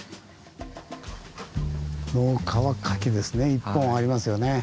１本はありますよね。